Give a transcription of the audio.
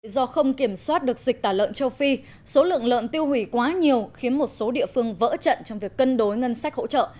do không kiểm soát được dịch tả lợn châu phi số lượng lợn tiêu hủy quá nhiều khiến một số địa phương vỡ trận trong việc cân đối ngân sách hỗ trợ